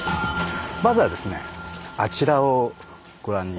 まずはですねあちらをご覧に。